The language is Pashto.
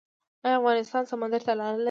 آیا افغانستان سمندر ته لاره لري؟